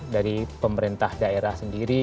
dari pemerintah daerah sendiri